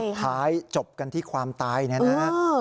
ท้ายจบกันที่ความตายเนี่ยนะฮะ